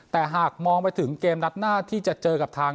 แต่หากมองไปถึงเกมนัดหน้าที่จะเจอกับทาง